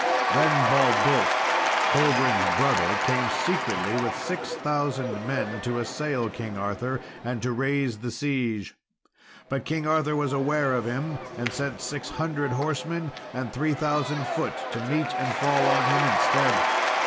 Then Baldulph, Colgrin's brother, came secretly with six thousand men to assail King Arthur and to raise the siege. But King Arthur was aware of him, and sent six hundred horsemen and three thousand foot to meet and fall on him instead.